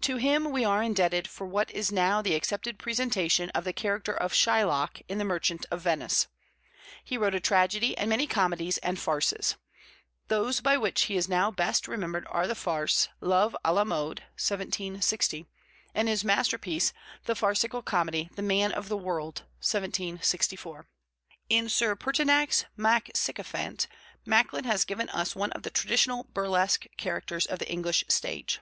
To him we are indebted for what is now the accepted presentation of the character of Shylock in The Merchant of Venice. He wrote a tragedy and many comedies and farces: those by which he is now best remembered are the farce, Love à la Mode (1760), and his masterpiece, the farcical comedy, The Man of the World (1764). In Sir Pertinax MacSycophant, Macklin has given us one of the traditional burlesque characters of the English stage.